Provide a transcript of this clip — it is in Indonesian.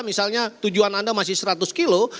misalnya tujuan anda masih seratus kilo